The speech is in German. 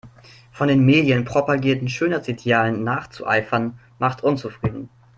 Von den Medien propagierten Schönheitsidealen nachzueifern macht unzufrieden.